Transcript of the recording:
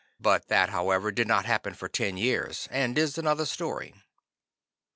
But that, however, did not happen for ten years, and is another story.